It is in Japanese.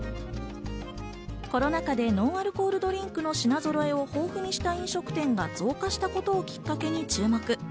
コロナ禍でノンアルコールドリンクの品ぞろえを豊富にした飲食店が増加したことをきっかけに注目。